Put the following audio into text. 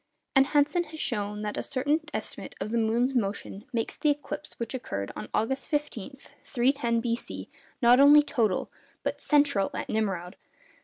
And Hansen has shown that a certain estimate of the moon's motion makes the eclipse which occurred on August 15, 310 B.C., not only total, but central at Nimroud.